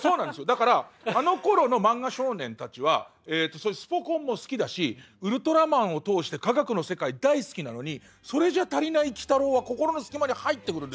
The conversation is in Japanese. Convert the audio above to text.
だからあのころの漫画少年たちはスポ根も好きだし「ウルトラマン」を通して科学の世界大好きなのにそれじゃ足りない「鬼太郎」は心の隙間に入ってくるんですよね。